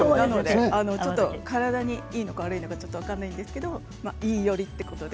体にいいのか悪いのかちょっと分からないんですけどいい寄りということで。